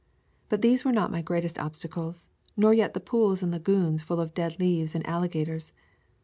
But these were not my greatest obstacles, nor yet the pools and lagoons full of dead leaves and alligators.